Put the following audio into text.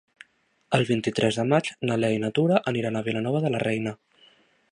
El vint-i-tres de maig na Lea i na Tura aniran a Vilanova de la Reina.